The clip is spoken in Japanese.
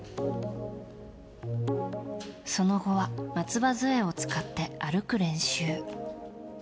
その後は松葉づえを使って歩く練習。